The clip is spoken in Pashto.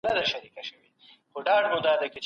ولې د کار مؤلديت د سرمايې په پرتله ټيټ دی؟